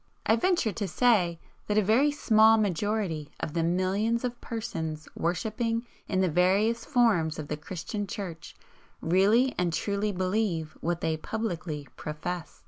I venture to say that a very small majority of the millions of persons worshipping in the various forms of the Christian Church really and truly believe what they publicly profess.